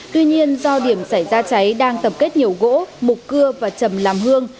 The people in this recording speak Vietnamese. tuy nhiên do điểm xảy ra cháy đang tập kết nhiều gỗ mục cưa và chầm làm hương